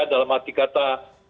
dalam arti kata